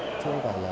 chứ không phải là